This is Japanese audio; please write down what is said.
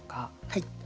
はい。